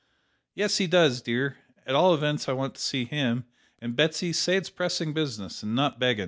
"Yes he does, dear; at all events I want to see him; and, Betsy, say it's pressing business, and not beggin'."